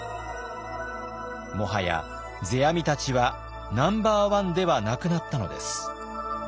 もはや世阿弥たちはナンバーワンではなくなったのです。